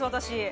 私